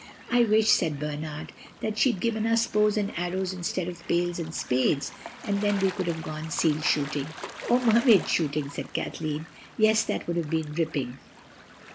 "I wish," said Bernard, "that she'd given us bows and arrows instead of pails and spades, and then we could have gone seal shooting—" "Or Mermaid shooting," said Kathleen. "Yes, that would have been ripping."